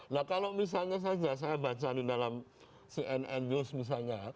nah kalau misalnya saja saya baca di dalam cnn news misalnya